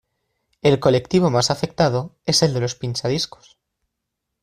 El colectivo más afectado es el de los pinchadiscos.